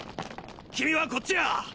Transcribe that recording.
君はこっちや！